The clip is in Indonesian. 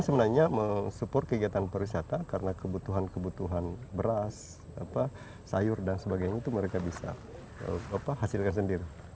sebenarnya mensupport kegiatan pariwisata karena kebutuhan kebutuhan beras sayur dan sebagainya itu mereka bisa hasilkan sendiri